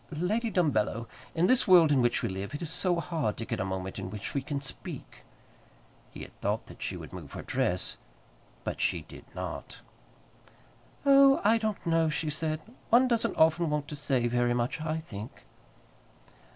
"Lady Dumbello, in this world in which we live, it is so hard to get a moment in which we can speak." He had thought that she would move her dress, but she did not. "Oh, I don't know," she said; "one doesn't often want to say very much, I think."